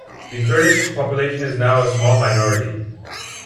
The Kurdish population is now a small minority.